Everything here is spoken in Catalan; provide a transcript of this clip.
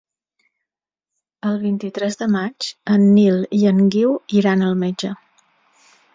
El vint-i-tres de maig en Nil i en Guiu iran al metge.